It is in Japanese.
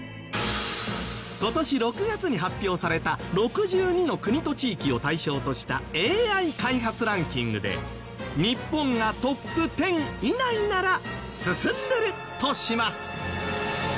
今年６月に発表された６２の国と地域を対象としたＡＩ開発ランキングで日本がトップ１０以内なら進んでるとします。